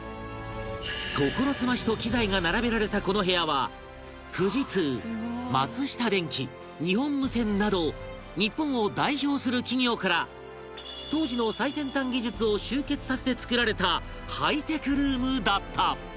所狭しと機材が並べられたこの部屋は富士通松下電器日本無線など日本を代表する企業から当時の最先端技術を集結させて造られたハイテクルームだった